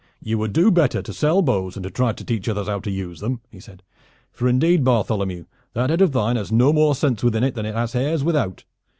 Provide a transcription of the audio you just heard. "You would do better to sell bows than to try to teach others how to use them," said he; "for indeed, Bartholomew, that head of thine has no more sense within it than it has hairs without.